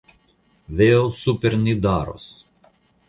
Veo super Nidaros!